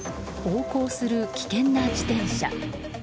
横行する危険な自転車。